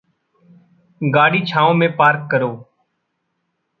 गाड़ी छाँव में पार्क करो।